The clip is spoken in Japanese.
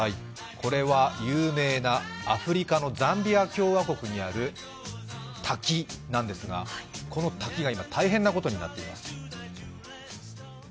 これは有名なアフリカのザンビア共和国にある滝なんですがこの滝が今大変なことになっています。